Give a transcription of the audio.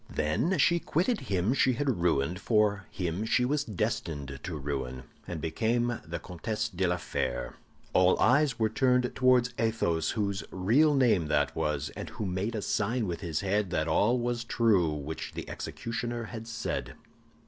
Then she quitted him she had ruined for him she was destined to ruin, and became the Comtesse de la Fère—" All eyes were turned towards Athos, whose real name that was, and who made a sign with his head that all was true which the executioner had said.